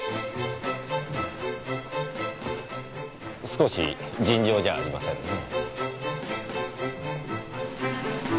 ・少し尋常じゃありませんね。